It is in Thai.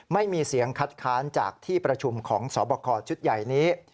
ไม่มีเสียงคัดค้านจากที่ประชุมของสอบคอชุดใหญ่นี้